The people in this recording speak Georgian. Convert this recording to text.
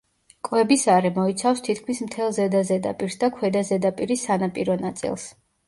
კვების არე მოიცავს თითქმის მთელ ზედა ზედაპირს და ქვედა ზედაპირის სანაპირო ნაწილს.